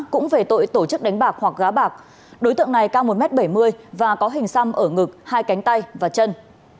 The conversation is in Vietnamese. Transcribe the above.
cũng về tội tổ chức đánh bạc hoặc gá bạc đối tượng này cao một m bảy mươi và có hình xăm ở ngực hai cánh tay và chân